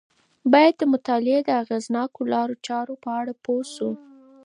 باید د مطالعې د اغیزناکو لارو چارو په اړه پوه شو.